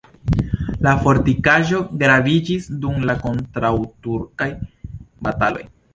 La fortikaĵo graviĝis dum la kontraŭturkaj bataloj.